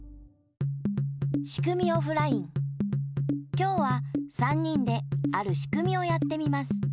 きょうは３にんであるしくみをやってみます。